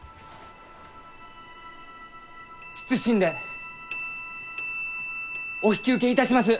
謹んでお引き受けいたします！